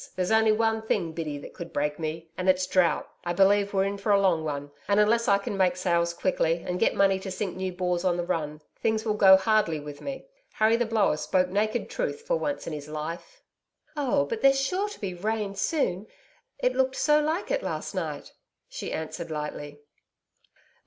there's only one thing, Biddy, that could break me, and it's drought. I believe we're in for a long one, and unless I can make sales quickly and get money to sink new bores on the run, things will go hardly with me. Harry the Blower spoke naked truth for once in his life.' 'Oh! but there's sure to be rain soon. It looked so like it last night,' she answered lightly.